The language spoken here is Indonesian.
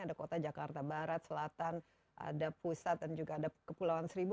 ada kota jakarta barat selatan ada pusat dan juga ada kepulauan seribu